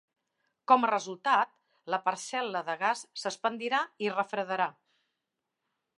Com a resultat, la parcel·la de gas s'expandirà i refredarà.